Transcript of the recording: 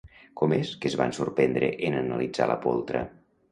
Com és que es van sorprendre en analitzar la poltra?